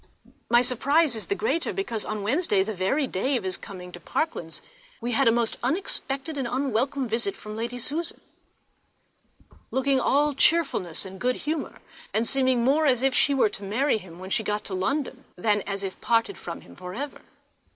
My surprize is the greater because on Wednesday, the very day of his coming to Parklands, we had a most unexpected and unwelcome visit from Lady Susan, looking all cheerfulness and good humour, and seeming more as if she were to marry him when she got to London than as if parted from him for ever.